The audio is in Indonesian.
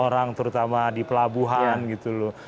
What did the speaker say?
orang terutama di pelabuhan gitu loh